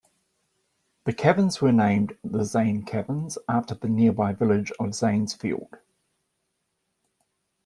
The caverns were named the Zane Caverns, after the nearby village of Zanesfield.